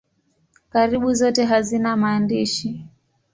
Karibu zote hazina maandishi.